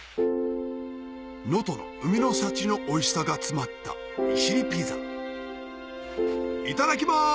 能登の海の幸のおいしさが詰まったいただきます！